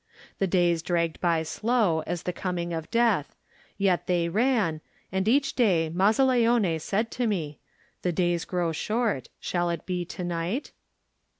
The days dragged by slow as the coming of death, yet they ran, and each day Mazzaleone said to me, "The days grow short; shall it be to night?"